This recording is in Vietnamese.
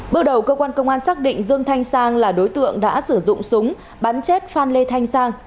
bước đầu cơ quan công an xác định dương thanh sang là đối tượng đã sử dụng súng bắn chết phan lê thanh sang